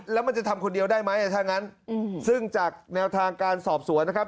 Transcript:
แล้วมันจะทำคนเดียวได้ไหมถ้างั้นซึ่งจากแนวทางการสอบสวนนะครับ